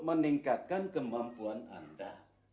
meningkatkan kemampuan anda